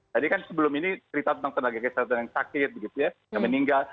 tadi kan sebelum ini cerita tentang tenaga kesehatan yang sakit begitu ya yang meninggal